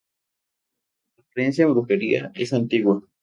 La creencia en brujería es antigua.